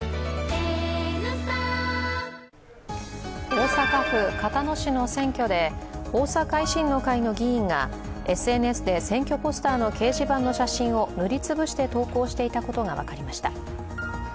大阪府交野市の選挙で大阪維新の会の議員がＳＮＳで選挙ポスターの掲示板の写真を塗り潰して投稿していたことが分かりました。